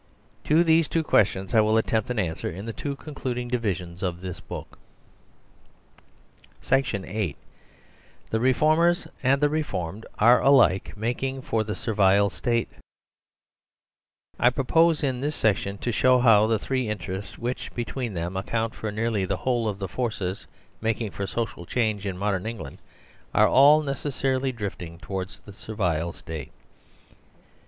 To these two questions I will attempt an answer in the two concluding divisions of this book. SECTION EIGHT THE REFORMERS AND THE REFORMED ARE ALIKE MAK ING FOR THE SERVILE STATE SECTION EIGHT THE REFORMERS AND THE REFORMED ARE ALIKE MAKING FOR THE SERVILE STATE I PROPOSE IN THIS SECTION TO SHOW how the three interests which between them account for nearly the whole of the forces making for social change in modern England are all necessarily drift ing towards the Servile State.